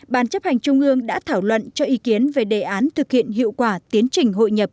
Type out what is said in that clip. ban chấp hành trung ương đã thảo luận cho ý kiến về đề án thực hiện hiệu quả tiến trình hội nhập